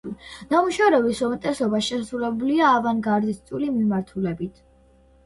ნამუშევრების უმეტესობა შესრულებულია ავანგარდისტული მიმართულებით.